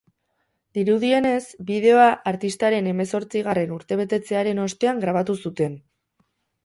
Dirudienez, bideoa artistaren hemerzotzigarren urtebetetzearen ostean grabatu zuten.